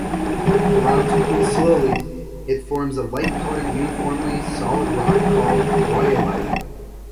Allowed to cool slowly, it forms a light-colored, uniformly solid rock called rhyolite.